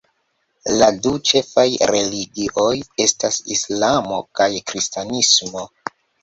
La du ĉefaj religioj estas Islamo kaj Kristanismo.